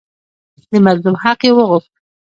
د مظلوم حق یې وغوښت.